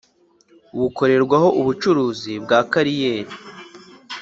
bukorerwaho ubucukuzi bwa kariyeri